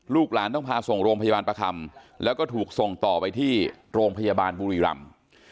หลานต้องพาส่งโรงพยาบาลประคำแล้วก็ถูกส่งต่อไปที่โรงพยาบาลบุรีรำ